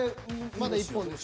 まだ１本です。